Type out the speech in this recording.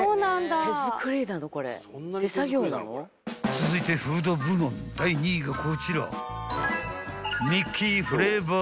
［続いてフード部門第２位がこちら］